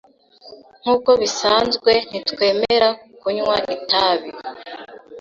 Nkuko bisanzwe, ntitwemera kunywa itabi .